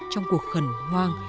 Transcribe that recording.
trong cuộc khẩn hoang